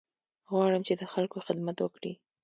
غواړم چې د خلکو خدمت وکړې.